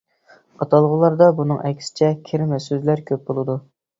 ئاتالغۇلاردا بۇنىڭ ئەكسىچە، كىرمە سۆزلەر كۆپ بولىدۇ.